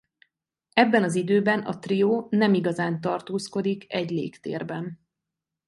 Ebben az időben a trió nem igazán tartózkodik egy légtérben.